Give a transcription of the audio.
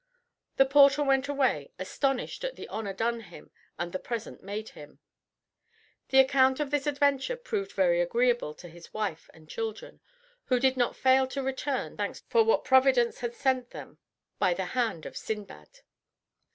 The porter went away, astonished at the honor done him and the present made him. The account of this adventure proved very agreeable to his wife and children, who did not fail to return thanks for what Providence had sent them by the hand of Sindbad.